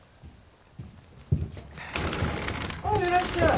あっいらっしゃい。